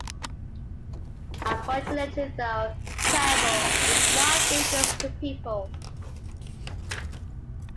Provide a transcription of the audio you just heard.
According to legend, though terrible, it is not dangerous to people.